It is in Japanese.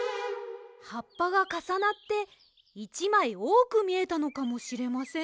はっぱがかさなって１まいおおくみえたのかもしれませんね。